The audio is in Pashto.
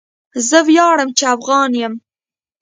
زه ویاړم چې افغان یم.